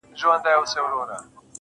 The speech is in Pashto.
• په يبلو پښو روان سو.